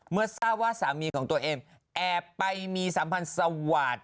เมื่อทราบว่าสามีของตัวเองแอบไปมีสัมพันธ์สวาสตร์